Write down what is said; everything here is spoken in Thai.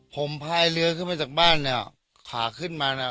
ผมพาไอ้เหลือขึ้นไปจากบ้านเนี้ยขาขึ้นมาเนี้ย